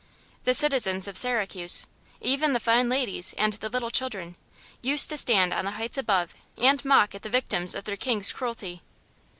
The citizens of Syracuse even the fine ladies and the little children used to stand on the heights above and mock at the victims of their king's cruelty."